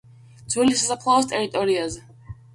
ძველი სასაფლაოს ტერიტორიაზე.